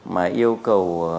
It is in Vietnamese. mà yêu cầu